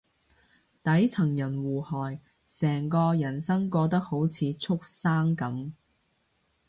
底層人互害，成個人生過得好似畜生噉